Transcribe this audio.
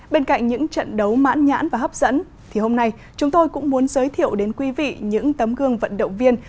bên cạnh những trận đấu mãn nhãn và hấp dẫn thì hôm nay chúng tôi cũng muốn giới thiệu đến quý vị những tấm gương vận động viên